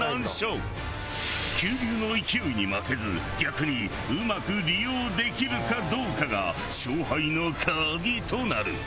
急流の勢いに負けず逆にうまく利用できるかどうかが勝敗の鍵となる。